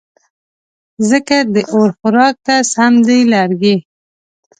ځکه د اور خوراک ته سم دي لرګې